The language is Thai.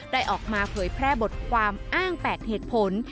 ออกมาเผยแพร่บทความอ้าง๘เหตุผล